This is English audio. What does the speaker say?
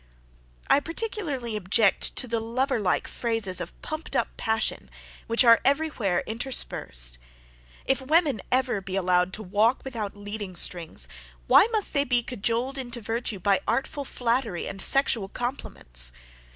I particularly object to the lover like phrases of pumped up passion, which are every where interspersed. If women be ever allowed to walk without leading strings, why must they be cajoled into virtue by artful flattery and sexual compliments?